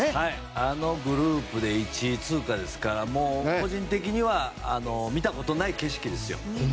あのグループで１位通過ですから、個人的には見たことない景色ですよ。